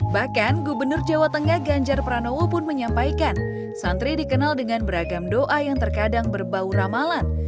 bahkan gubernur jawa tengah ganjar pranowo pun menyampaikan santri dikenal dengan beragam doa yang terkadang berbau ramalan